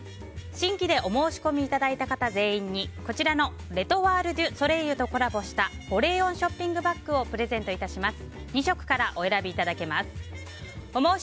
新規でお申し込みいただいた方全員に、こちらのレ・トワール・デュ・ソレイユとコラボした保冷温ショッピングバッグをプレゼント致します。